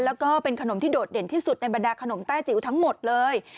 แล้วก็เป็นขนมที่โดดเด่นที่สุดในบรรดาขนมแต้จิ๋วทั้งหมดเลย